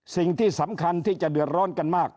สิ่งที่สำคัญที่จะเดือดร้อนกันมาก